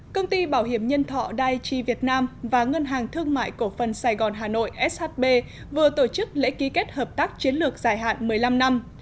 công ty bảo hiểm nhân thọ daichi việt nam và ngân hàng thương mại cổ phần sài gòn hà nội shb vừa tổ chức lễ ký kết hợp tác chiến lược dài hạn một mươi năm năm